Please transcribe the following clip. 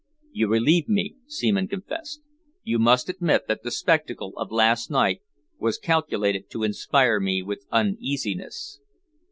"You relieve me," Seaman confessed. "You must admit that the spectacle of last night was calculated to inspire me with uneasiness."